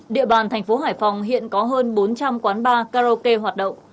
địa bàn thành phố hải phòng hiện có hơn bốn trăm linh quán bar karaoke hoạt động